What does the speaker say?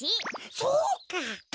そうか！